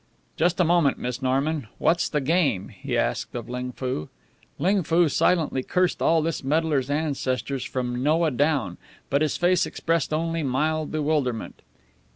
"Just a moment, Miss Norman. What's the game?" he asked of Ling Foo. Ling Foo silently cursed all this meddler's ancestors from Noah down, but his face expressed only mild bewilderment.